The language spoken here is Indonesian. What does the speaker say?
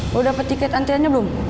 lo dapet tiket antriannya belum